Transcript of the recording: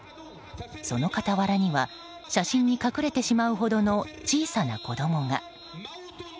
その傍らには写真に隠れてしまうほどの小さな子供が。